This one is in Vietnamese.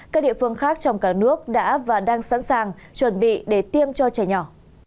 các địa phương khác trong cả nước đã và đang sẵn sàng chuẩn bị để tiêm cho trẻ nhỏ